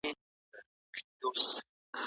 خاوند به د ميرمني په عيبونو پسي نه ګرځي.